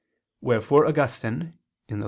Wherefore Augustine (Gen. ad lit.